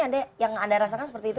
anda yang anda rasakan seperti itu